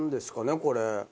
これ。